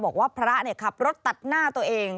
บอกว่าพระเนี่ยครับรถตัดหน้าตัวเอง